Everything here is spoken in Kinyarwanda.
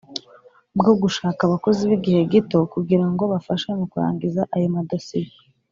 bwo gushaka abakozi b igihe gito kugira ngo bafashe mu kurangiza ayo madosiye